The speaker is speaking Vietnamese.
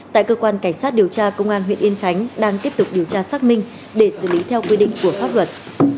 tại cơ quan cảnh sát điều tra công an huyện yên khánh đang tiếp tục điều tra xác minh để xử lý theo quy định của pháp luật